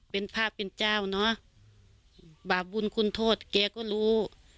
เป็นพระเป็นเจ้าเนอะบาปบุญคุณโทษแกก็รู้